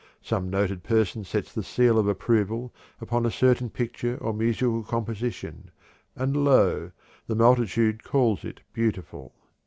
Some noted person sets the seal of approval upon a certain picture or musical composition and lo! the multitude calls it beautiful.